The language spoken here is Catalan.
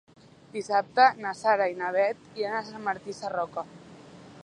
Dissabte na Sara i na Bet iran a Sant Martí Sarroca.